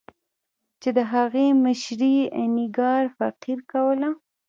چې د هغې مشري اینیګار فقیر کوله.